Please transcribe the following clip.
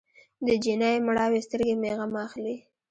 د جینۍ مړاوې سترګې مې غم اخلي.